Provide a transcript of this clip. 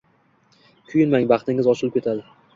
Kuyinmang, baxtingiz ochilib ketadi